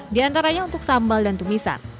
di antaranya untuk sambal dan tumisan